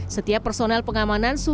setiap personel pengamanan sudah berjaga